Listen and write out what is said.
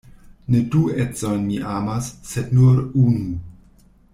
Ne du edzojn mi amas, sed nur unu.